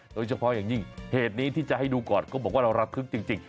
โดยเฉพาะอย่างยิ่งเหตุนี้ที่จะให้ดูก่อนก็บอกว่าเราระทึกจริง